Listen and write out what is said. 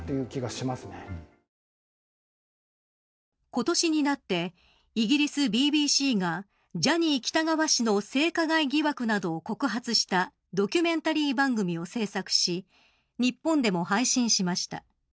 今年になってイギリスＢＢＣがジャニー喜多川氏の性加害疑惑などを告発したドキュメンタリー番組を制作し日本でも配信しました。